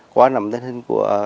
quá nằm trên hình của